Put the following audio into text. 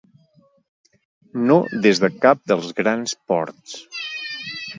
No des de cap dels grans ports.